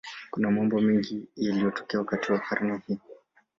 Kuna mambo mengi yaliyotokea wakati wa karne hii.